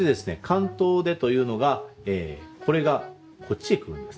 関東手というのがこれがこっちへ来るんですね。